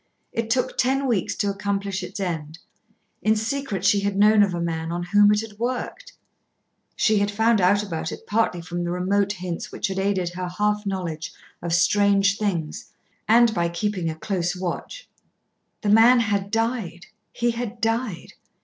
It took ten weeks to accomplish its end. In secret she had known of a man on whom it had been worked. She had found out about it partly from the remote hints which had aided her half knowledge of strange things and by keeping a close watch. The man had died he had died.